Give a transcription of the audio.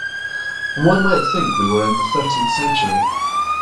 One might think we were in the thirteenth century.